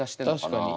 確かに。